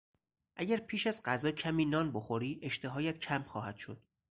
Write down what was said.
اگر پیش از غذا کمی نان بخوری اشتهایت کم خواهد شد.